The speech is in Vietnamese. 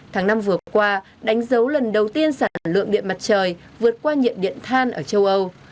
tháng năm vừa qua đánh dấu lần đầu tiên sản lượng điện mặt trời vượt qua nhiệt điện than ở châu âu